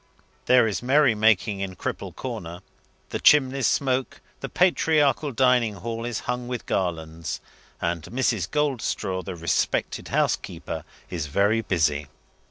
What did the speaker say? There is merry making in Cripple Corner, the chimneys smoke, the patriarchal dining hall is hung with garlands, and Mrs. Goldstraw, the respected housekeeper, is very busy.